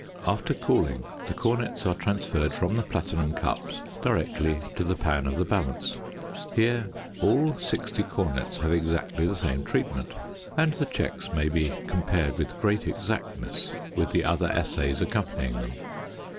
After cooling, the cornets are transferred from the platinum cups directly to the pan of the balance. Here all 60 cornets have exactly the same treatment and the "checks" may be compared with great exactness with the other assays accompanying them.